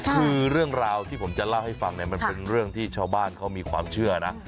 คือเรื่องราวที่ผมจะเล่าให้ฟังเนี่ยมันเป็นเรื่องที่ชาวบ้านเขามีความเชื่อนะ